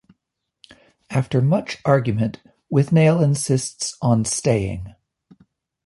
After much argument, Withnail insists on staying.